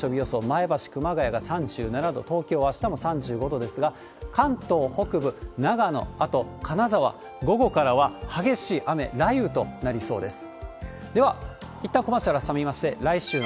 前橋、熊谷が３７度、東京はあしたも３５度ですが、関東北部、長野、あと金沢、午後からは激しい雨、雷雨となりそうです。